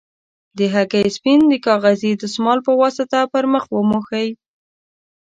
د هګۍ سپین د کاغذي دستمال په واسطه پر مخ وموښئ.